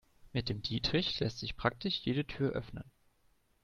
Mit dem Dietrich lässt sich praktisch jede Tür öffnen.